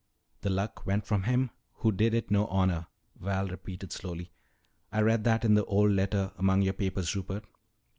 "'The Luck went from him who did it no honor,'" Val repeated slowly. "I read that in that old letter among your papers, Rupert."